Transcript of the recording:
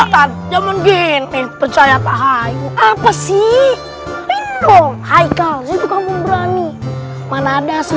tetap jangan gini percaya tak hayuk apa sih bingung hai kalau kamu berani mana ada si